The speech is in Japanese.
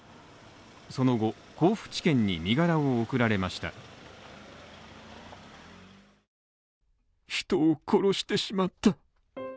その後、甲府地検に身柄を送られました。